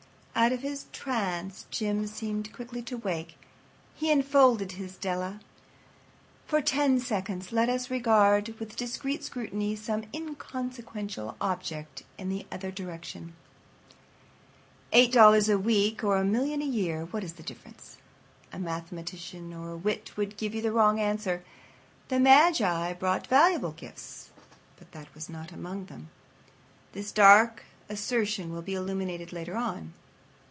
Out of his trance Jim seemed quickly to wake. He enfolded his Della. For ten seconds let us regard with discreet scrutiny some inconsequential object in the other direction. Eight dollars a week or a million a year—what is the difference? A mathematician or a wit would give you the wrong answer. The magi brought valuable gifts, but that was not among them. This dark assertion will be illuminated later on.